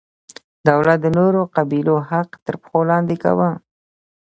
دولت د نورو قبیلو حق تر پښو لاندې کاوه.